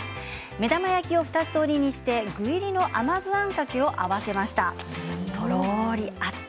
目玉焼きを二つ折りにして具入りの甘酢あんかけ合わせました。